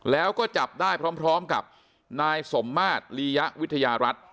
แล้วก็จับได้พร้อมกับนายสมมาตรลียะวิทยารัฐ